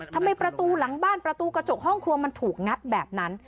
ทำไมประตูหลังบ้านประตูกระจกห้องครัวมันถูกงัดแบบนั้น